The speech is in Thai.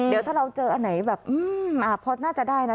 เดี๋ยวถ้าเราเจออันไหนแบบพอน่าจะได้นะ